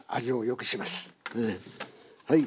はい。